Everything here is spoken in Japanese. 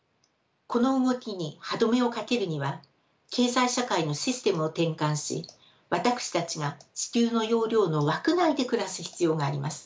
この動きに歯止めをかけるには経済社会のシステムを転換し私たちが地球の容量の枠内で暮らす必要があります。